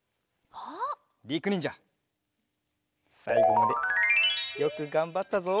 りくにんじゃさいごまでよくがんばったぞ！